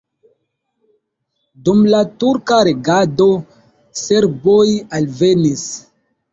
Dum la turka regado serboj alvenis.